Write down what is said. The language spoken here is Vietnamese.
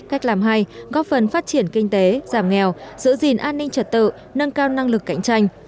cách làm hay góp phần phát triển kinh tế giảm nghèo giữ gìn an ninh trật tự nâng cao năng lực cạnh tranh